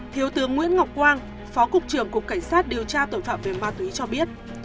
thiếu tướng nguyễn ngọc quang phó cục trưởng cục cảnh sát điều tra tội phạm về ma túy cho biết